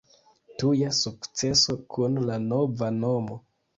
Tuja sukceso kun la nova nomo.